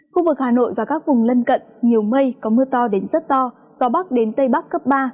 khu vực hà nội và các vùng lân cận nhiều mây có mưa to đến rất to gió bắc đến tây bắc cấp ba